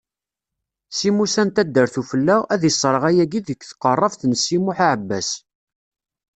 Si Musa n taddart ufella, ad isserɣ ayagi deg tqeṛṛabt n Si Muḥ Aɛebbas.